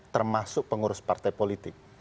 termasuk pengurus partai politik